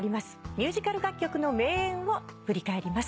ミュージカル楽曲の名演を振り返ります。